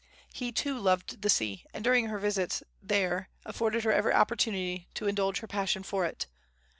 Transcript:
He, too, loved the sea, and during her visits there afforded her every opportunity to indulge her passion for it.